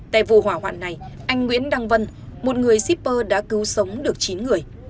tại vụ hỏa hoạn này anh nguyễn đăng vân một người shipper đã cứu sống được chín người